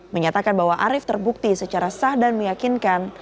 menyatakan bahwa arief terbukti secara sah dan meyakinkan